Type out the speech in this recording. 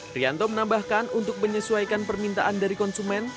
trianto menambahkan untuk menyesuaikan permintaan dari konsumen